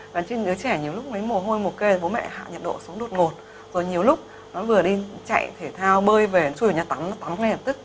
và trên đứa trẻ nhiều lúc mấy mồ hôi mồ kê bố mẹ hạ nhiệt độ sống đột ngột rồi nhiều lúc nó vừa đi chạy thể thao bơi về nó chui vào nhà tắm nó tắm ngay lập tức